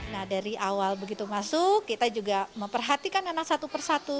nah dari awal begitu masuk kita juga memperhatikan anak satu persatu